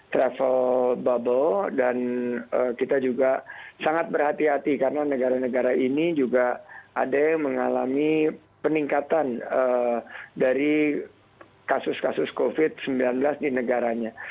travel bubble dan kita juga sangat berhati hati karena negara negara ini juga ada yang mengalami peningkatan dari kasus kasus covid sembilan belas di negaranya